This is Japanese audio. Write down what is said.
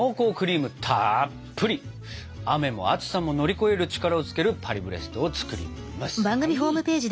雨も暑さも乗り越える力をつけるパリブレストを作ります！